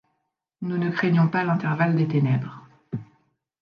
Nous ne craignons pas l'intervalle des ténèbres.